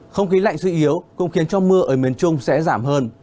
không khí lạnh suy yếu cũng khiến cho mưa ở miền trung sẽ giảm hơn